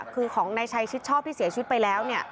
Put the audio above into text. คือของนายชัยชิดชอบที่เสียชีวิตไปแล้ว